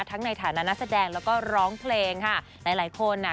ในฐานะนักแสดงแล้วก็ร้องเพลงค่ะหลายหลายคนอ่ะ